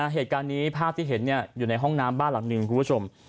เฮตกรรมที่เห็นอยู่ในห้องน้ำบ้านหลังหนึ่งครับคุณผู้ชม